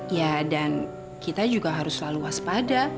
ya dan kita juga harus selalu waspada